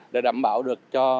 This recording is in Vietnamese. để đảm bảo được cho